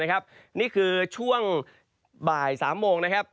นี่คือช่วงบ่าย๓โมง